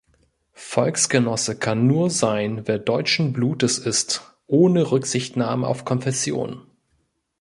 Volksgenosse kann nur sein, wer deutschen Blutes ist, ohne Rücksichtnahme auf Konfession.